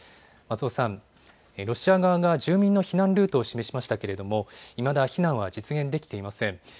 松尾さん、ロシア側が住民の避難ルートを示しましたけれどもいまだ避難は実現できていません。